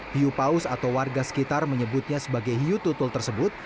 hiu paus atau warga sekitar menyebutnya sebagai hiu tutul tersebut